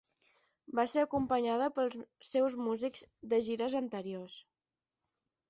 Va ser acompanyada pels seus músics de gires anteriors.